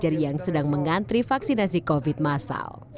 para pelajar yang sedang mengantri vaksinasi covid masal